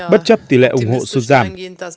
bất chấp tỷ lệ ủng hộ xuất giảm